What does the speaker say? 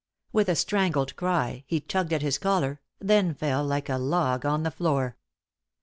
With a strangled cry he tugged at his collar, then fell like a log on the floor.